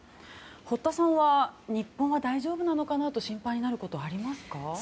堀田さんは日本は大丈夫なのかなと心配になることありますか？